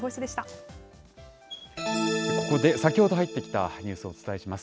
ここで先ほど入ってきたニュースをお伝えします。